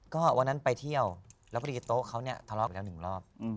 ก็วันนั้นไปเที่ยวแล้วพอดีโต๊ะเขาเนี่ยทะเลาะไปแล้วหนึ่งรอบ